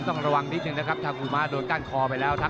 ต้องระวังนิดนึงนะครับทางอุมะโดนก้านคอไปแล้วครับ